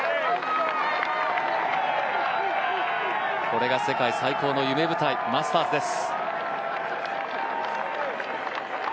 これが世界最高の夢舞台マスターズです。